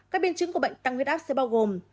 các biên chứng của bệnh tăng huyết áp sẽ bao gồm